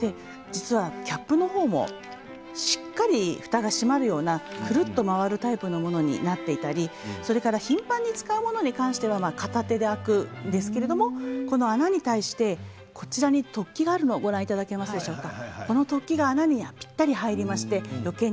キャップの方も、しっかりふたが閉まるようなくるっと回るタイプのものになっていたり頻繁に使うものは片手で開くんですけれども穴に対して反対側に突起があるの分かりますか。